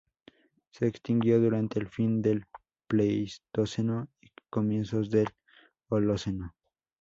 Se extinguió durante el fin del Pleistoceno y comienzos del Holoceno.